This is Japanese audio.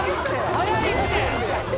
早いって！